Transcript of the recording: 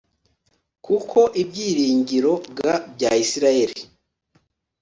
Kuko ibyiringiro g bya isirayeli